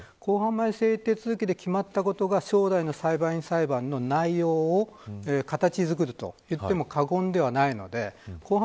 前整理手続きで決まったことが将来の裁判員裁判の内容を形作るといっても過言ではないので公判